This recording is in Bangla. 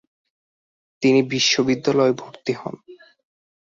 তিনি বিশ্ববিদ্যালয়ে ভর্তি হন।